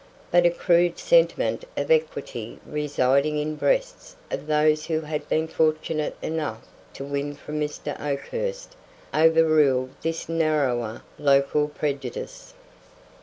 But a crude sentiment of equity residing in the breasts of those who had been fortunate enough to win from Mr. Oakhurst overruled this narrower local prejudice.